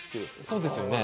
そうですよね。